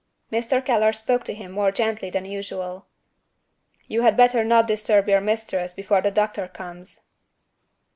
Mr. Keller spoke to him more gently than usual. "You had better not disturb your mistress before the doctor comes."